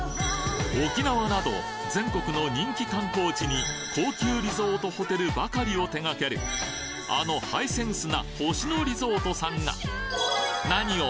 沖縄など全国の人気観光地に高級リゾートホテルばかりを手がけるあのハイセンスな星野リゾートさんが何を思ったのか昨年新世界の玄関口